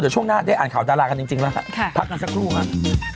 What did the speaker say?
เดี๋ยวช่วงหน้าได้อ่านข่าวดารากันจริงแล้วฮะพักกันสักครู่ครับ